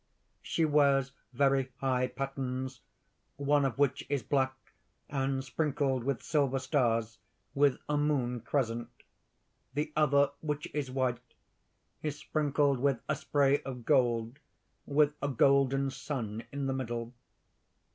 She wears very high pattens one of which is black, and sprinkled with silver stars, with a moon crescent; the other, which is white, is sprinkled with a spray of gold, with a golden sun in the middle.